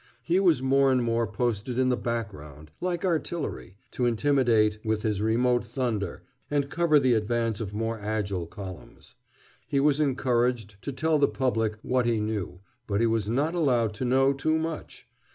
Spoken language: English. He was more and more posted in the background, like artillery, to intimidate with his remote thunder and cover the advance of more agile columns. He was encouraged to tell the public what he knew, but he was not allowed to know too much.